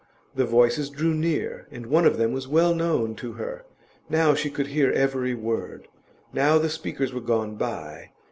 The voices drew near, and one of them was well known to her; now she could hear every word; now the speakers were gone by.